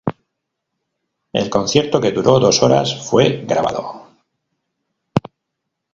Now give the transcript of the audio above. El concierto, que duró dos horas, fue grabado.